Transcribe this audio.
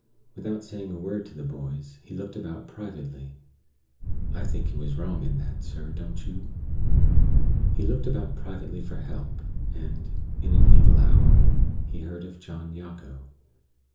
Without saying a word to the boys, he looked about privately (I think he was wrong in that, sir; don't you?) he looked about privately for help; and, in an evil hour, he heard of John Jago.